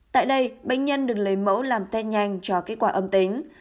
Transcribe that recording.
tại đây bệnh nhân được lấy mẫu làm ten nhanh cho kết quả âm tính